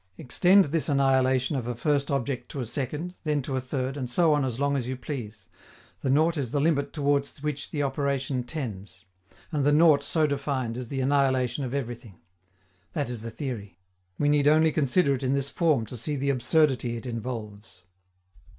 Extend this annihilation of a first object to a second, then to a third, and so on as long as you please: the nought is the limit toward which the operation tends. And the nought so defined is the annihilation of everything. That is the theory. We need only consider it in this form to see the absurdity it involves.